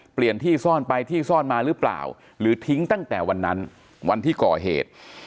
เปลี่ยนที่ซ่อนไปที่ซ่อนมาหรือเปล่าหรือทิ้งตั้งแต่วันนั้นวันที่ก่อเหตุ